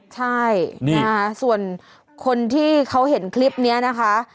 ใช่ส่วนคนที่เขาเห็นคลิปนี้นะคะ